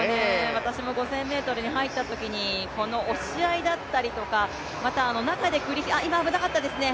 私も５０００ｍに入ったときにこの押し合いだったりとか今、危なかったですね。